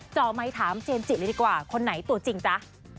จอไมค์ถามเจนจินดีกว่าคนไหนตัวจริงจ้ะ